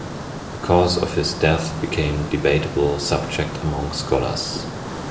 The cause of his death became debatable subject among scholars.